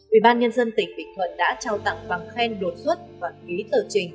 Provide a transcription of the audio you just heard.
ubnd tỉnh bình thuận đã trao tặng bằng khen đột xuất và ký tờ trình